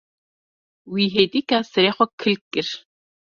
Wî hêdîka serê xwe kil kir.